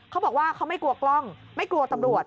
เขาบอกว่าเขาไม่กลัวกล้องไม่กลัวตำรวจ